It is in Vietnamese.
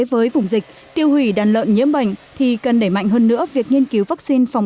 với vùng dịch tiêu hủy đàn lợn nhiễm bệnh thì cần đẩy mạnh hơn nữa việc nghiên cứu vaccine phòng